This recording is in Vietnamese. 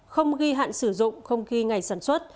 không ghi hạn sử dụng không ghi ngày sản xuất